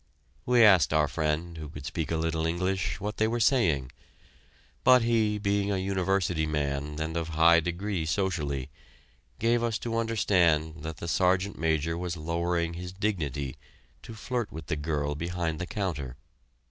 We asked our friend who could speak a little English what they were saying, but he, being a university man and of high degree socially, gave us to understand that the Sergeant Major was lowering his dignity to flirt with the girl behind the counter.